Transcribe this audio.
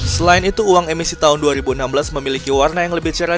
selain itu uang emisi tahun dua ribu enam belas memiliki warna yang lebih cerah